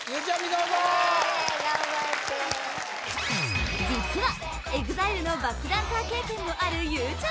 どうぞイエーイ頑張って実はＥＸＩＬＥのバックダンサー経験もあるゆうちゃ